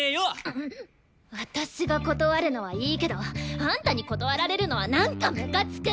私が断るのはいいけどあんたに断られるのはなんかムカつく！